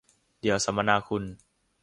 เดี๋ยวสมนาคุณ